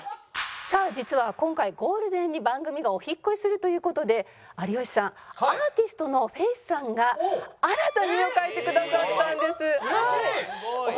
さあ実は今回ゴールデンに番組がお引っ越しするという事で有吉さんアーティストのｆａｃｅさんが新たに絵を描いてくださったんです。